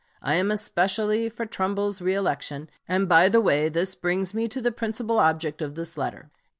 I am especially for Trumbull's reëlection; and, by the way, this brings me to the principal object of this letter.